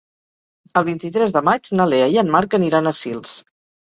El vint-i-tres de maig na Lea i en Marc aniran a Sils.